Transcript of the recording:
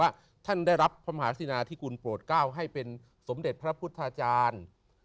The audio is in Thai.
ว่าท่านได้รับพระมหาศินาธิกุลโปรดเก้าให้เป็นสมเด็จพระพุทธาจารย์